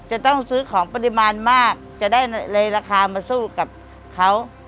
จะต้องซื้อของปริมาณมากจะได้เลยราคามาสู้กับเขา